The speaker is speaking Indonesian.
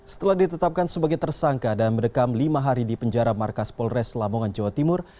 setelah ditetapkan sebagai tersangka dan mendekam lima hari di penjara markas polres lamongan jawa timur